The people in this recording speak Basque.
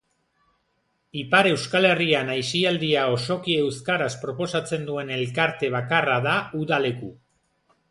Ipar Euskal Herrian aisialdia osoki euskaraz proposatzen duen elkarte bakarra da Uda Leku.